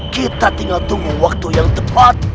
kita tinggal tunggu waktu yang tepat